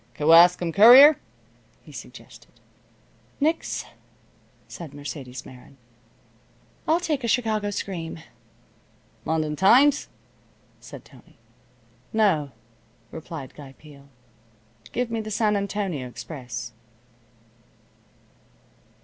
"Kewaskum Courier?" he suggested. "Nix," said Mercedes Meron, "I'll take a Chicago Scream." "London Times?" said Tony. "No," replied Guy Peel. "Give me the San Antonio Express."